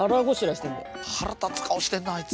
腹立つ顔してんなあいつ。